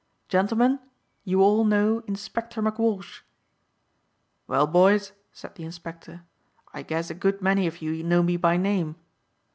Gentlemen, you all know Inspector McWalsh!" "Well, boys," said the Inspector, "I guess a good many of you know me by name."